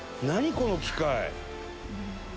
この機械！」